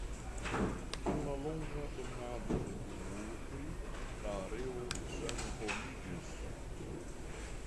Dum la longa dominado de turkoj la areo senhomiĝis.